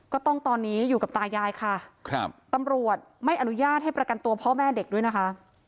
ก็ต้องตอนนี้อยู่กับตายายค่ะครับตำรวจไม่อนุญาตให้ประกันตัวพ่อแม่เด็กด้วยนะคะ